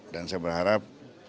dan saya berharap